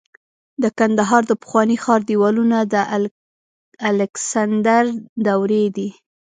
د کندهار د پخواني ښار دیوالونه د الکسندر دورې دي